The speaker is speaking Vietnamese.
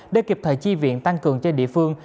để kịp thời chi viện tăng cường cho địa phương